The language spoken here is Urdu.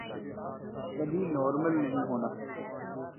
کبھی نارمل نہیں ہونا۔